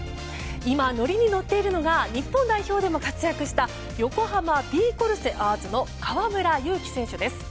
今、のりにのっているのが日本代表でも活躍した横浜ビー・コルセアーズの河村勇輝選手です。